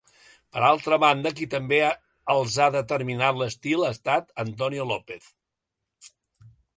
Per altra banda, qui també els ha determinat l’estil ha estat Antonio López.